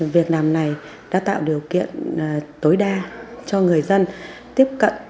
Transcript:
việc làm này đã tạo điều kiện tối đa cho người dân tiếp cận